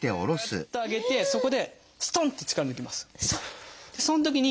ぐっと上げてそこですとん！って力抜きます。